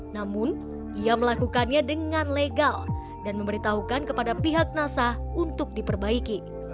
namun ia melakukannya dengan legal dan memberitahukan kepada pihak nasa untuk diperbaiki